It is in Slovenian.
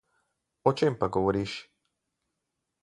O čem pa govoriš?